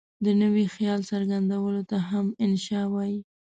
د نوي خیال څرګندولو ته هم انشأ وايي.